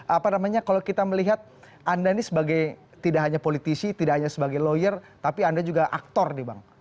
apa namanya kalau kita melihat anda ini sebagai tidak hanya politisi tidak hanya sebagai lawyer tapi anda juga aktor nih bang